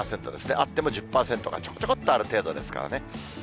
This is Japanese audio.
あっても１０％がちょこちょこっとある程度ですからね。